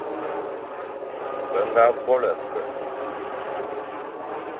Be ñga vôl-e-ke,